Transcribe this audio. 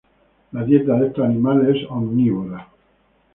La dieta de estos animales es omnívora.